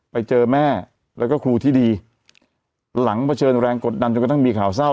ไปเจอแม่แล้วก็ครูที่ดีหลังเผชิญแรงกดดันจนกระทั่งมีข่าวเศร้า